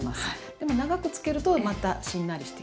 でも長く漬けるとまたしんなりしてきます。